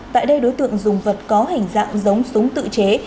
tại đây đối tượng dùng vật có hình dạng giống súng tự chế